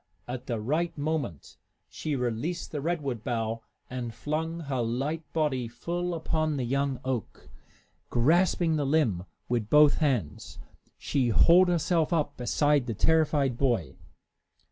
At the right moment she released the redwood bough and flung her light body full upon the young oak. Grasping the limb with both hands, she hauled herself up beside the terrified boy.